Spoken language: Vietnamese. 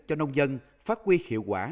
cho nông dân phát huy hiệu quả